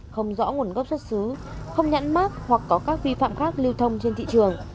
không rõ nguồn gốc xuất xứ không nhãn mát hoặc có các vi phạm khác lưu thông trên thị trường